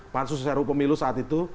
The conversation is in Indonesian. pansus ru pemilu saat itu